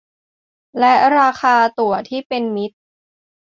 และราคาตั๋วที่เป็นมิตร